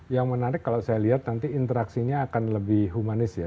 yang menarik kalau saya lihat nanti interaksinya akan lebih humanis ya